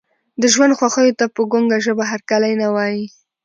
د ژوند خوښیو ته په ګونګه ژبه هرکلی نه وایي.